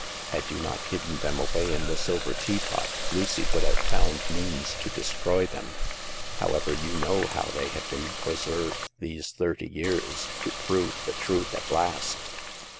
Had you not hidden them away in the silver teapot, Lucy would have found means to destroy them. How ever, you know how they have been perserved these thirty years, to prove the truth at last.